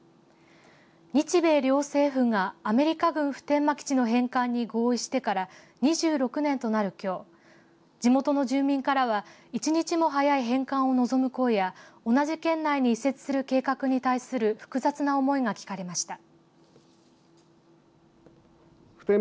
日米両政府がアメリカ軍普天間基地の返還に合意してから２６年となるきょう地元の住民からは１日も早い返還を望む声や同じ県内に移設する計画に対する複雑な思いが聞かれました。